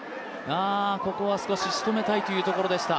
ここは仕留めたいというところでした。